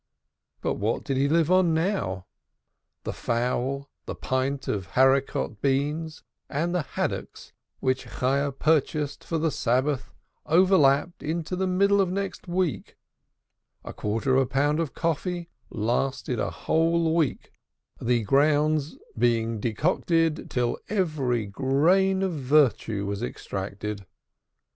And what did he live on now? The fowl, the pint of haricot beans, and the haddocks which Chayah purchased for the Sabbath overlapped into the middle of next week, a quarter of a pound of coffee lasted the whole week, the grounds being decocted till every grain of virtue was extracted.